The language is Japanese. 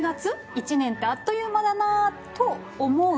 １年ってあっという間だな」と思う？